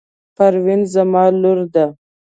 پروین زما لور ده.